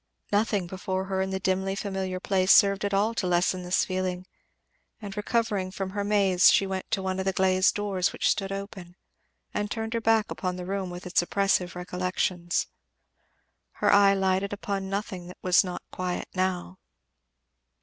Nothing before her in the dimly familiar place served at all to lessen this feeling, and recovering from her maze she went to one of the glazed doors, which stood open, and turned her back upon the room with its oppressive recollections. Her eye lighted upon nothing that was not quiet now.